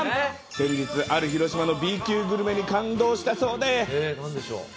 先日、ある広島のＢ級グルメに感動したそうで。